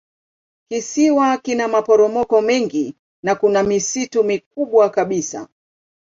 Kisiwa kina maporomoko mengi na kuna misitu mikubwa kabisa.